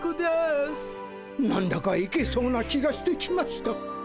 何だかいけそうな気がしてきました。